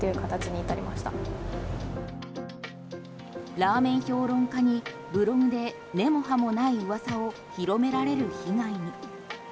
ラーメン評論家にブログで根も葉もないうわさを広められる被害に。